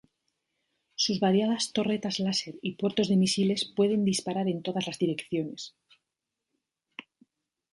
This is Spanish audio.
Sus variadas torretas láser y puertos de misiles pueden disparar en todas las direcciones.